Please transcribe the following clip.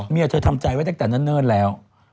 เธอทำใจไว้ตั้งแต่เนิ่นแล้ว